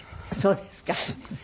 そうですか。